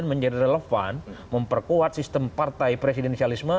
dan menjadi relevan memperkuat sistem partai presidensialisme